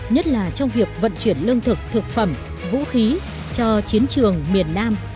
nhất là trong việc vận chuyển lương thực thực phẩm vũ khí cho chiến trường miền nam